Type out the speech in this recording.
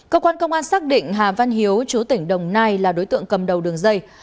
cơ quan công an xác định hà văn hiếu chú tỉnh đồng nai là đối tượng cầm đầu đường dây